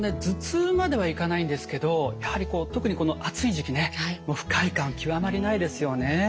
頭痛まではいかないんですけどやはり特に暑い時期ね不快感極まりないですよね。